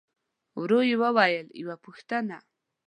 ورو يې وويل: يوه پوښتنه!